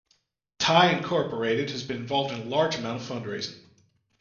Ty, Incorporated has been involved in a large amount of fundraising.